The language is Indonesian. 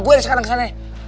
gue yang sekarang kesana ya